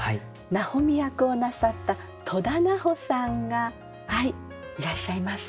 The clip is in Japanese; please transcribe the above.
奈穂美役をなさった戸田菜穂さんがいらっしゃいます。